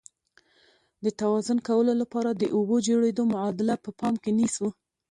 د توازن کولو لپاره د اوبو د جوړیدو معادله په پام کې نیسو.